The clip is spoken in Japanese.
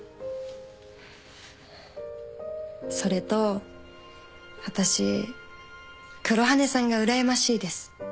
それと私黒羽さんがうらやましいです。